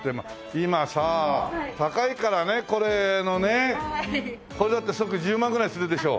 今さ高いからねこれのね。これだって即１０万ぐらいするでしょ。